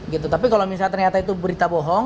gitu tapi kalau misalnya ternyata itu berita bohong